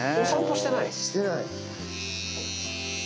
してない。